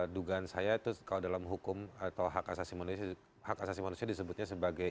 dugaan saya itu kalau dalam hukum atau hak asasi manusia disebutnya sebagai